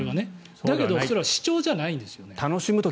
だけどそれは視聴じゃないんですよね。